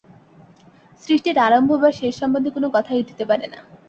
সৃষ্টির আরম্ভ বা শেষ সম্বন্ধে কোন কথাই উঠিতে পারে না।